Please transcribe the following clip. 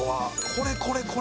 これこれこれ！